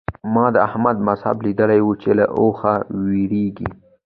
ما د احمد مذهب ليدلی وو چې له اوخه وېرېږي.